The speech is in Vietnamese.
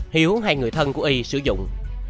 hiếu hay người thân của y sử dụng